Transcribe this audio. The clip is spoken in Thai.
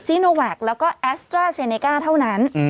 โนแวคแล้วก็แอสตราเซเนก้าเท่านั้น